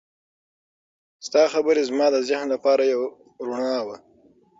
ستا خبرې زما د ذهن لپاره یو رڼا وه.